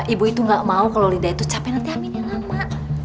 ibu itu gak mau kalau linda itu capek nanti aminnya lama